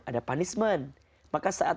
ada punishment maka saat